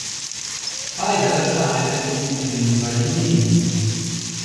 Beide Vereine blieben in ihren jeweiligen Ligen.